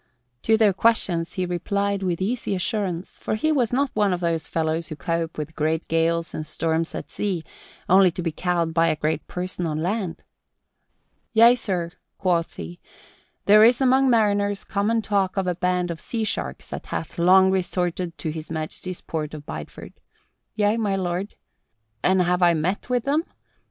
To their questions he replied with easy assurance, for he was not one of those fellows who cope with great gales and storms at sea only to be cowed by a great person on land. "Yea, sir," quoth he, "there is among mariners common talk of a band of sea sharks that hath long resorted to His Majesty's port of Bideford. Yea, my lord. And have I met with them?